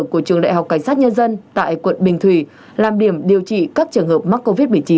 của trường đại học cảnh sát nhân dân tại quận bình thủy làm điểm điều trị các trường hợp mắc covid một mươi chín